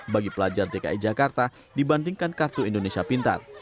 bagi pelajar dki jakarta dibandingkan kartu indonesia pintar